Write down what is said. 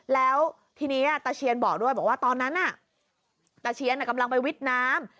แล้วทีนี้ตะเชียนบอกด้วยบอกว่าตอนนั้นน่ะตะเชียนกำลังไปวิทย์น้ำ